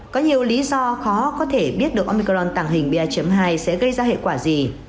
có nhiều lý do khó có thể biết được omicron tàng hình ba hai sẽ gây ra hệ quả gì